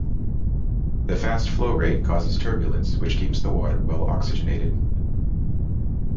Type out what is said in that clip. The fast flow rate causes turbulence which keeps the water well oxygenated.